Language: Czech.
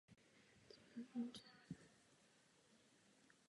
K propagaci alba byly před vydáním zveřejňovány kompletní texty písní.